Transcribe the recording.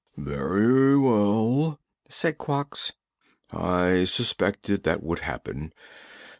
"Well, well," said Quox, "I suspected that would happen.